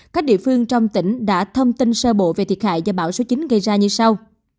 các địa phương trong tỉnh đã thông tin sơ bộ về thiệt hại do bão số chín gây ra như sau